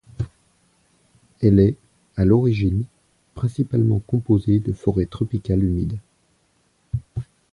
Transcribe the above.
Elle est, à l'origine, principalement composée de forêts tropicales humides.